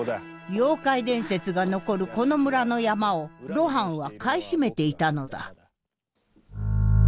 妖怪伝説が残るこの村の山を露伴は買い占めていたのだ。